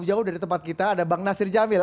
jauh dari tempat kita ada bang nasir jamil